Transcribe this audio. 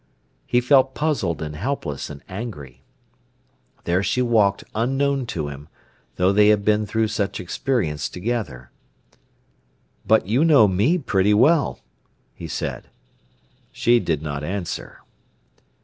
He felt puzzled, and helpless, and angry. There she walked unknown to him, though they had been through such experience together. "But you know me pretty well," he said. She did not answer.